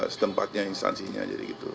setempatnya instansinya jadi gitu